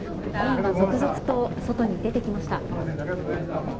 続々と外に出てきました。